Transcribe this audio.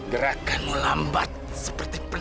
suara kok punya eveninih artillery